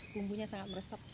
bumbunya sangat meresap